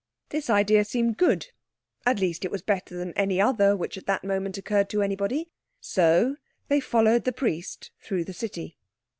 This idea seemed good—at least it was better than any other which at that moment occurred to anybody, so they followed the priest through the city.